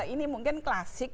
ini mungkin klasik